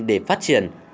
để phát triển